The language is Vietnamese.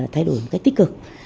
thay đổi một cách tích cực